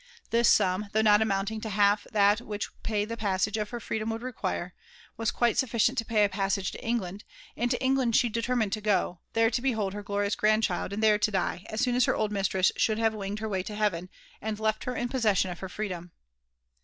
This sum, though not amounting to half that which the purchase of her freedom would require, was quite sufficient to pay a passage. to England; and to England she determined to go, there to behold her glorious grand child, and there to die, as soon as her old mistress should have winged her way to heaven, and left her in possession of her freedom.